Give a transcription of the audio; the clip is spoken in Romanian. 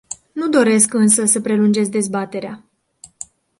Nu doresc însă să prelungesc dezbaterea.